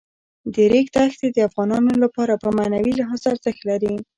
د ریګ دښتې د افغانانو لپاره په معنوي لحاظ ارزښت لري.